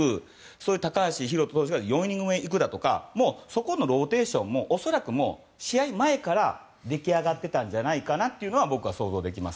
それで高橋宏斗投手が４イニング目に行くとかそこのローテーションも恐らく試合前から出来上がっていたんじゃないかなというのは僕は想像できます。